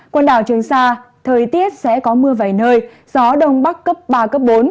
quần đảo trường sa thời tiết sẽ có mưa vài nơi gió đông bắc cấp ba bốn